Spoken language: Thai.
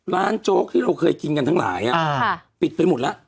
โจ๊กที่เราเคยกินกันทั้งหลายปิดไปหมดแล้ว